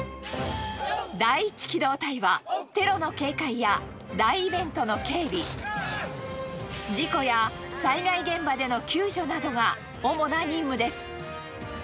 第一機動隊は、テロの警戒や大イベントの警備、事故や災害現場での救助などが主な任務です。